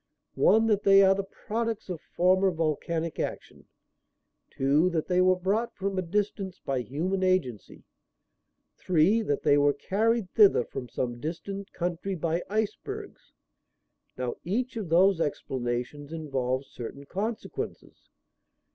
One: that they are the products of former volcanic action; two: that they were brought from a distance by human agency; three: that they were carried thither from some distant country by icebergs. Now each of those explanations involves certain consequences.